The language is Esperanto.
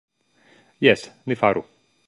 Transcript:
Jes, ni faru.